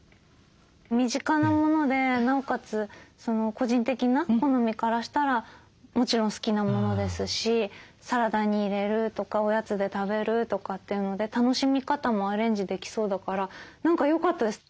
身近なものでなおかつ個人的な好みからしたらもちろん好きなものですしサラダに入れるとかおやつで食べるとかっていうので楽しみ方もアレンジできそうだから何かよかったです。